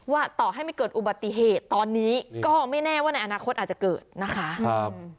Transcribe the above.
ต่อให้ไม่เกิดอุบัติเหตุตอนนี้ก็ไม่แน่ว่าในอนาคตอาจจะเกิดนะคะ